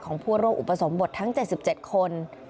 ของผู้ร่วมอุปสมบททั้ง๗๗คน